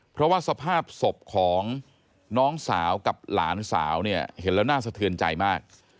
เพราะว่าสภาพศพของน้องสาวกับหลานสาวเนี่ยเห็นแล้วน่าสะเทือนใจมาก